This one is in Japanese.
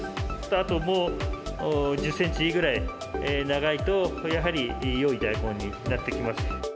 あともう１０センチぐらい長いと、やはりよい大根になってきます。